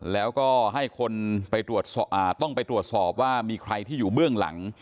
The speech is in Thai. แล้วก็ให้คนไปต้องไปตรวจสอบว่ามีใครที่อยู่เบื้องหลัง